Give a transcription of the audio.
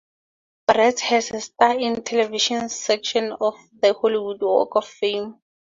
Brian has a star in the Television section of the Hollywood Walk of Fame.